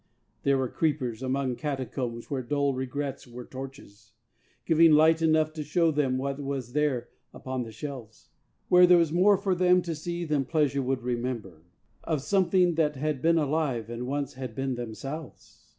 There were creepers among catacombs where dull regrets were torches, Giving light enough to show them what was there upon the shelves Where there was more for them to see than pleasure would remember Of something that had been alive and once had been themselves.